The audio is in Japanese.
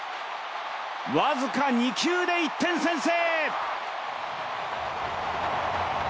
僅か２球で１点先制。